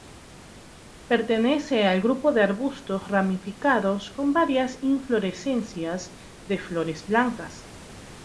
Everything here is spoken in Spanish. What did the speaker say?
Pertenece al grupo de arbustos ramificados con varias inflorescencias de flores blancas.